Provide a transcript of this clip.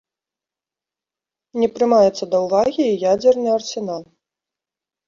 Не прымаецца да ўвагі і ядзерны арсенал.